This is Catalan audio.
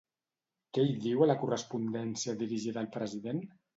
Què hi diu a la correspondència dirigida al president?